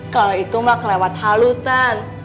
kalau itu mah kelewat halutan